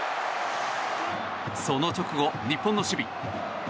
その直後、日本の守備。